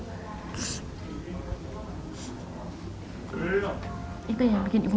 saya juga salut ngeliatnya bu